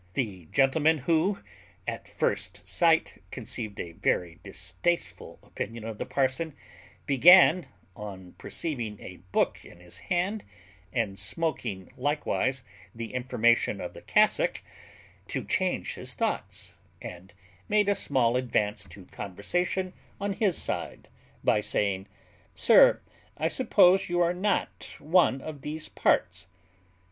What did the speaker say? The gentleman, who had at first sight conceived a very distasteful opinion of the parson, began, on perceiving a book in his hand and smoaking likewise the information of the cassock, to change his thoughts, and made a small advance to conversation on his side by saying, "Sir, I suppose you are not one of these parts?"